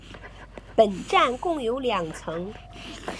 本站共有两层。